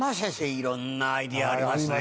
いろんなアイデアありますね。